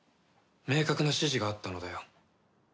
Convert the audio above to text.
明確な指示があったのだよ。